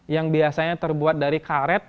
yang biasanya terbuat dari karet